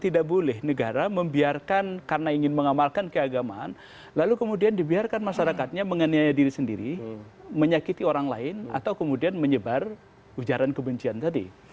tidak boleh negara membiarkan karena ingin mengamalkan keagamaan lalu kemudian dibiarkan masyarakatnya menganiaya diri sendiri menyakiti orang lain atau kemudian menyebar ujaran kebencian tadi